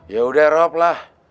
yaudah rob lah